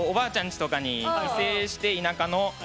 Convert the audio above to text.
家とかに帰省して田舎の。